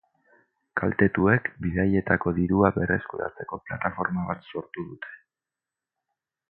Kaltetuek, bidaietako dirua berreskuratzeko plataforma bat sortu dute.